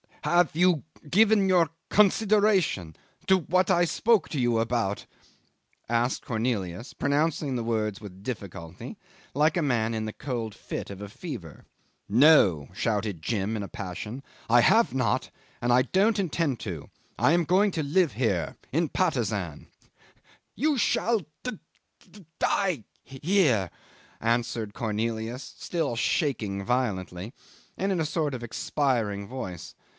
"Have you given your consideration to what I spoke to you about?" asked Cornelius, pronouncing the words with difficulty, like a man in the cold fit of a fever. "No!" shouted Jim in a passion. "I have not, and I don't intend to. I am going to live here, in Patusan." "You shall d d die h h here," answered Cornelius, still shaking violently, and in a sort of expiring voice.